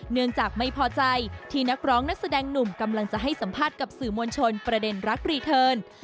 เนื่องจากไม่พอใจที่นักร้องนักแสดงหนุ่มกำลังจะให้สัมภาษณ์กับสื่อมวลชนประเด็นรักรีเทิร์น